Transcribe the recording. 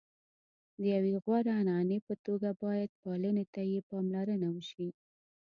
د یوې غوره عنعنې په توګه باید پالنې ته یې پاملرنه وشي.